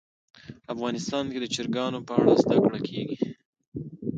افغانستان کې د چرګانو په اړه زده کړه کېږي.